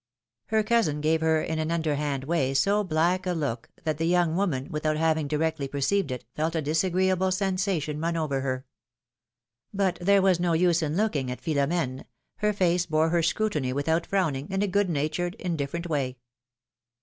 Her cousin gave her in an underhand way so black a look, that the young woman, without having directly perceived it, felt a disagreeable sensation run over her. But there was no use in looking at Philomene ; her face bore her scrutiny without frowning, in a good natured, inditferent way.